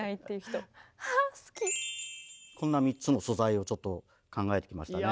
こんな３つの素材をちょっと考えてきましたね。